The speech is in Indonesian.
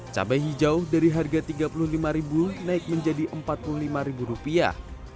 cabai hijau dari harga tiga puluh lima naik menjadi empat puluh lima rupiah